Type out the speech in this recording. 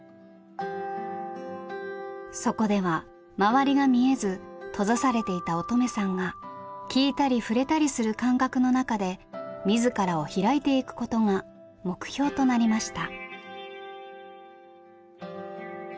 そこでは周りが見えず閉ざされていた音十愛さんが聞いたり触れたりする感覚の中で自らを開いていくことが目標となりました。